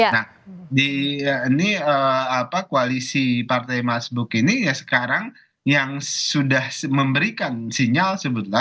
nah ini koalisi partai mas buk ini ya sekarang yang sudah memberikan sinyal sebetulnya